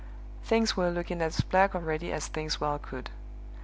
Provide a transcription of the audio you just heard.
Things were looking as black already as things well could.